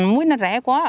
muối nó rẻ quá